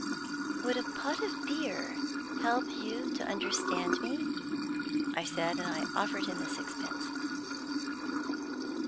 "Would a pot of beer help you to understand me?" I said, and offered him the sixpence.